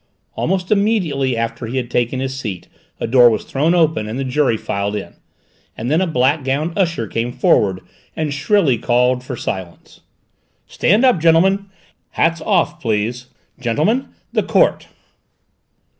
Almost immediately after he had taken his seat a door was thrown open and the jury filed in, and then a black gowned usher came forward and shrilly called for silence. "Stand up, gentlemen! Hats off, please! Gentlemen, the Court!"